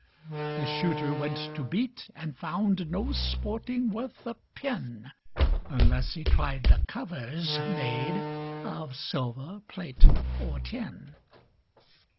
The Shooter went to beat, and found No sporting worth a pin, Unless he tried the covers made Of silver, plate, or tin.